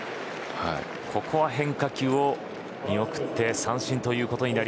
ここは変化球を見送って三振。